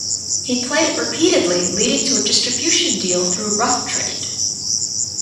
He played it repeatedly leading to a distribution deal through Rough Trade.